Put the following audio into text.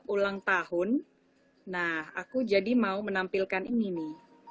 ulang tahun nah aku jadi mau menampilkan ini nih